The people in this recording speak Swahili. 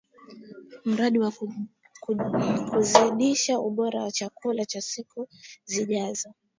Mradi wa Kuzidisha Ubora wa Chakula cha Siku zijazo